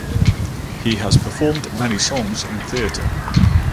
He has performed many songs in theatre.